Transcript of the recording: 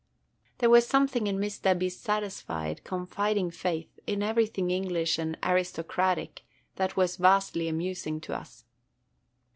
There was something in Miss Debby's satisfied, confiding faith in everything English and aristocratic that was vastly amusing to us.